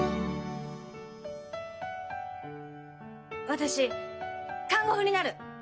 私看護婦になる！